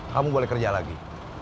kamu boleh kerja lagi